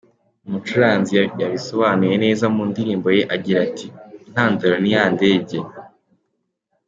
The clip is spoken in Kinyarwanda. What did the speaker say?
Umucuranzi yabisobanuye neza mu ndirimbo ye agira ati:”intandaro ni ya ndege”!